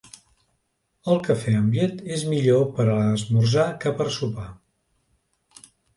El cafè amb llet és millor per a esmorzar que per a sopar.